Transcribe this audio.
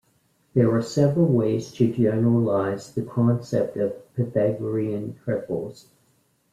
There are several ways to generalize the concept of Pythagorean triples.